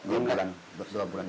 iya mau imlek